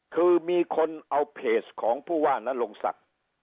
คือมีคนเอาเพจของผู้ว่านั้นลงสัก